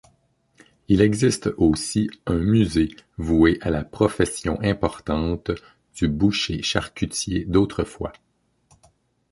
Il existe aussi un Musée voué à la profession importante du boucher charcutier d'autrefois.